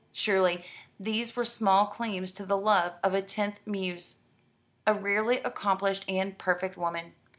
Surely these were small claims to the love of a tenth muse, a rarely accomplished and perfect woman.